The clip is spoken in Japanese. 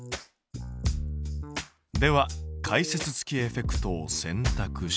では解説付きエフェクトをせんたくして。